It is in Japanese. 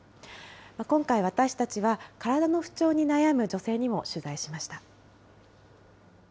今回、私たちは体の不調に悩む女性にも取材しました。